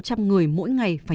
các chuyên gia cảnh báo